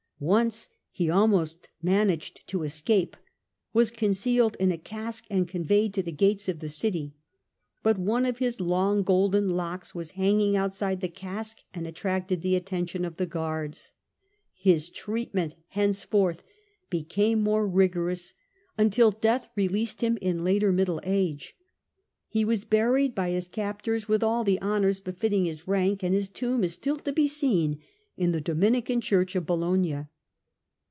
Once he almost managed to escape, was concealed in a cask and conveyed to the gates of the city. But one of his long golden locks was hanging outside the cask and attracted the attention of the guards. His treatment 270 STUPOR MUNDI henceforth became more rigorous, until death released him in later middle age. He was buried by his captors with all the honours befitting his rank, and his tomb is still to be seen in the Dominican church of Bologna.